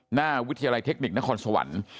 วิทยาลัยเทคนิคนครสวรรค์